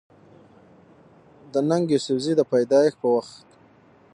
د ننګ يوسفزۍ د پېدايش پۀ وخت